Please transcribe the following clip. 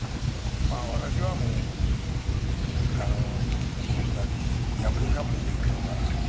まあ私はもうあの言うたって破れかぶれで生きとるから。